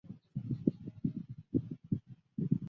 莫尔普雷。